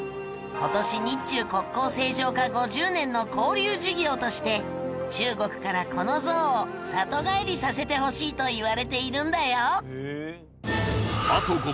今年日中国交正常化５０年の交流事業として中国からこの像を里帰りさせてほしいといわれているんだよ。